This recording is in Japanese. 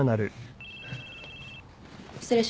失礼します。